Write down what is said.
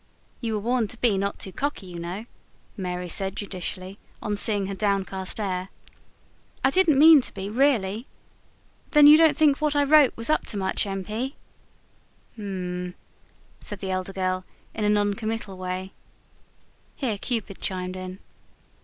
"You were warned not to be too cocky, you know," Mary said judicially, on seeing her downcast air. "I didn't mean to be, really. Then you don't think what I wrote was up to much, M. P.?" "Mm," said the elder girl, in a non committal way. Here Cupid chimed in.